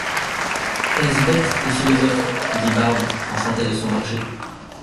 Est-ce bête, les philosophes ! dit Barbe, enchantée de son marché.